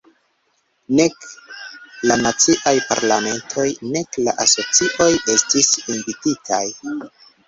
Nek la naciaj parlamentoj nek la asocioj estis invititaj.